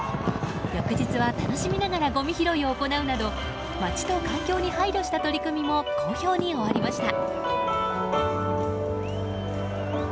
翌日は、楽しみながらごみ拾いを行うなど街と環境に配慮した取り組みも好評に終わりました。